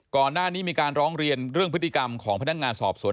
ก่อนหน้านี้มีการร้องเรียนเรื่องพฤติกรรมของพนักงานสอบสวน